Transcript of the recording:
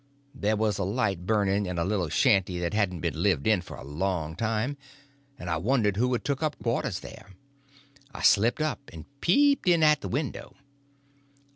There was a light burning in a little shanty that hadn't been lived in for a long time, and I wondered who had took up quarters there. I slipped up and peeped in at the window.